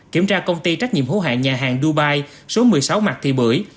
kiểm tra công ty trách nhiệm hữu hạng nhà hàng dubai số một mươi sáu mạc thị bưởi